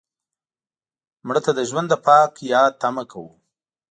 مړه ته د ژوند د پاک یاد تمه کوو